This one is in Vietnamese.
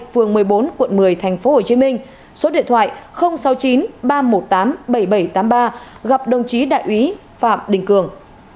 phường một mươi bốn quận một mươi tp hcm số điện thoại sáu mươi chín ba trăm một mươi tám bảy nghìn bảy trăm tám mươi ba gặp đồng chí đại úy phạm đình cường